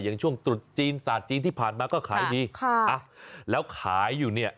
อย่างช่วงตรุษจีนศาสตร์จีนที่ผ่านมาก็ขายดีค่ะแล้วขายอยู่เนี่ย